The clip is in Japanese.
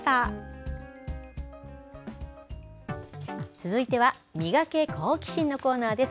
続いてはミガケ、好奇心！のコーナーです。